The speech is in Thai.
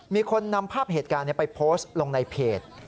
มีคนนำภาพเหตุการณ์ไปโพสต์ลงในเพจ